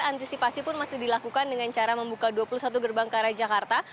antisipasi pun masih dilakukan dengan cara membuka dua puluh satu gerbang ke arah jakarta